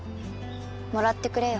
もらってくれよ。